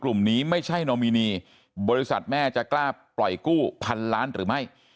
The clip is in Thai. กลุ่มนี้ไม่ใช่นอมินีบริษัทแม่จะกล้าปล่อยกู้พันล้านหรือไม่